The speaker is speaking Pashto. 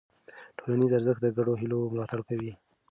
ټولنیز ارزښت د ګډو هيلو ملاتړ کوي.